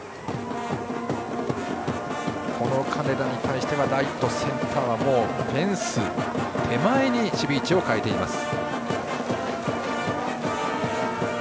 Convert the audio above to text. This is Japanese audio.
この金田に対してはライト、センターはフェンス手前に守備位置を変えています。